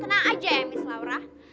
tenang aja ya mis laura